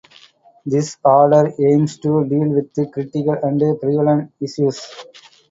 This order aims to deal with critical and prevalent issues.